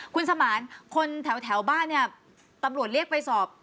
คุณสมานค่ะ